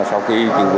sau khi cứu vớt